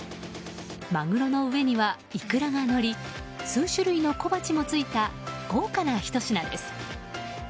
マグロの上にはイクラがのり数種類の小鉢もついた豪華なひと品です。